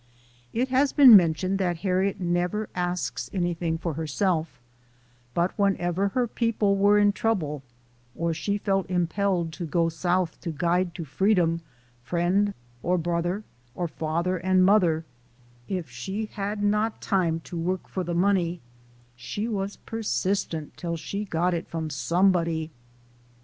It has been mentioned that Harriet never asks anything for herself, but whenever her people were in trouble, or she felt impelled to go South to guide to freedom friend or brother, or father and mother, if she had not time to work for the money, she was persistent till she got it from somebody.